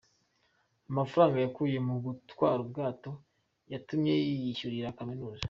Amafaranga yakuye mu gutwara ubwato yatumye yiyishyurira Kaminuza.